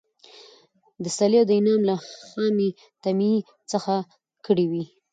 د صلې او انعام له خامي طمعي څخه کړي وي.